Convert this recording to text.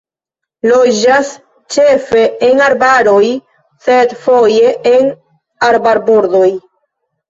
Loĝas ĉefe en arbaroj sed foje en arbarbordoj.